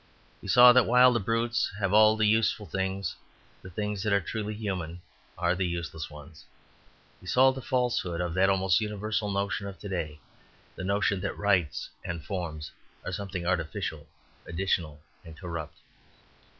He saw that while the brutes have all the useful things, the things that are truly human are the useless ones. He saw the falsehood of that almost universal notion of to day, the notion that rites and forms are something artificial, additional, and corrupt.